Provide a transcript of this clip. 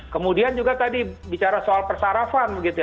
kemudian juga tadi bicara soal persarafan begitu ya